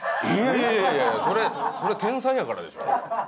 いやいやいやいやそれ天才やからでしょ。